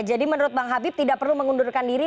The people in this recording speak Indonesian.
jadi menurut bang habib tidak perlu mengundurkan diri